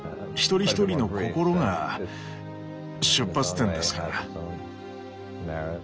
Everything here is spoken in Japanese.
一人一人の心が出発点ですから。